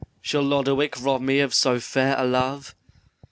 Shall Lodowick rob me of so fair a love?